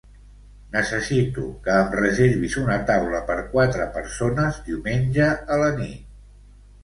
Necessito que em reservis una taula per quatre persones diumenge a la nit.